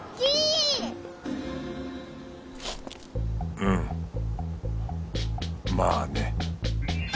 うんまあね